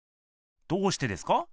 どうしてですか？